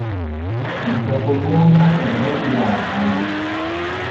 Il capoluogo è Bremgarten.